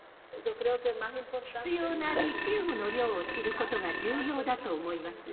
必要なリチウムの量を知ることが重要だと思います。